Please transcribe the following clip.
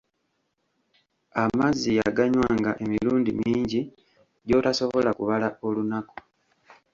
Amazzi yaganywanga emirundi mingi gy'otasobola kubala olunaku.